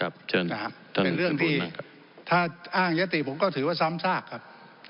เป็นเรื่องที่ถ้าอ้างยติผมก็ถือว่าซ้ำซากครับ